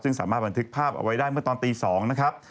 ซึ่งสามารถบันทึกภาพเอาไว้ได้เมื่อตอนตี๒นะครับ